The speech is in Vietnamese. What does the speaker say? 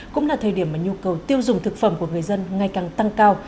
cũng là thời điểm mà nhu cầu tiêu dùng thực phẩm của người dân ngày càng tăng cao